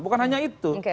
bukan hanya itu